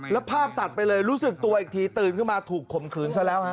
แล้วภาพตัดไปเลยรู้สึกตัวอีกทีตื่นขึ้นมาถูกข่มขืนซะแล้วฮะ